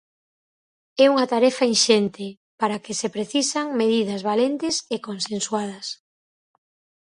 É unha tarefa inxente para a que se precisan medidas valentes e consensuadas.